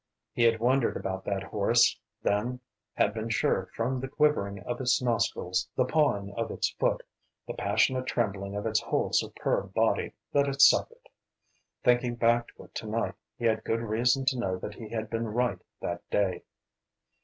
He had wondered about that horse, then, had been sure from the quivering of its nostrils, the pawing of its foot, the passionate trembling of its whole superb body that it suffered. Thinking back to it to night he had good reason to know that he had been right that day.